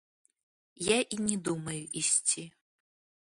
Я і не думаю ісці.